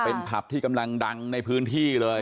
เป็นผับที่กำลังดังในพื้นที่เลย